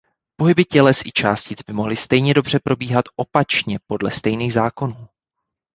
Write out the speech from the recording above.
Pohyby těles i částic by mohly stejně dobře probíhat opačně podle stejných zákonů.